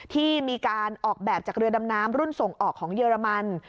ที่มีการออกแบบจากเรือดำน้ำรุ่นส่งออกของเยอรมัน